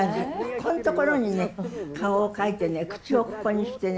ここんところにね顔を描いてね口をここにしてね。